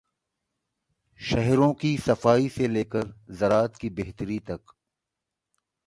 شہروں کی صفائی سے لے کر زراعت کی بہتری تک۔